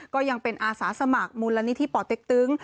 ก็ยังเป็นอาสาสมัครมูลนิธิป่อเต็กตึง